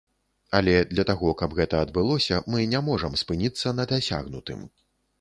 Але для таго, каб гэта адбылося, мы не можам спыніцца на дасягнутым.